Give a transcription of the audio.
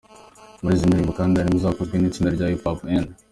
Muri izi ndirimbo kandi harimo izakozwe n’itsinda rya Hip Hop N.